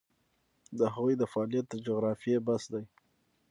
د هغوی د فعالیت د جغرافیې بحث دی.